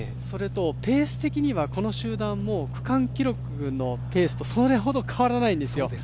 それとペース的にはこの集団も区間記録のペースとそう変わらないんですよ。